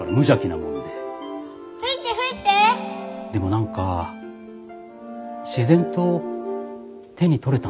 でも何か自然と手に取れたんです。